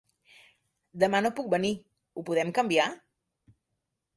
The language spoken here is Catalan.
Demà no puc venir! Ho podem canviar?